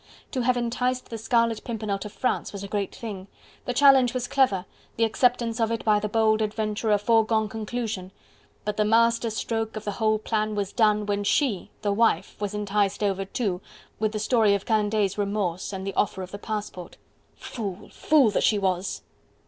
To have enticed the Scarlet Pimpernel to France was a great thing! The challenge was clever, the acceptance of it by the bold adventurer a forgone conclusion, but the master stroke of the whole plan was done, when she, the wife, was enticed over too with the story of Candeille's remorse and the offer of the passport. Fool! fool that she was!